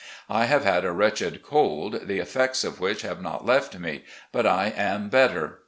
I have had a wretched cold, the effects of which have not left me, but I am better.